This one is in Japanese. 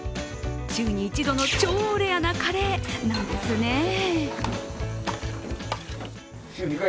週に１度の超レアなカレーなんですねぇ。